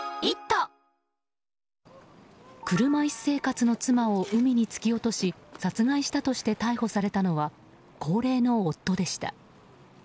車椅子生活の妻を海に突き落とし殺害したとして逮捕されたのは高齢の夫でした。